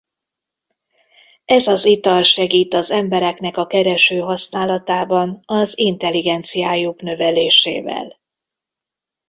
Ez az ital segít az embereknek a kereső használatában az intelligenciájuk növelésével.